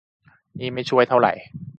นี่ไม่ช่วยเท่าไหร่